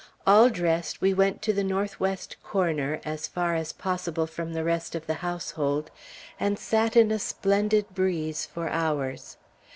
All dressed, we went to the northwest corner, as far as possible from the rest of the household, and sat in a splendid breeze for hours.